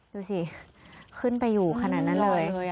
ดูสิขึ้นไปอยู่ขนาดนั้นเลย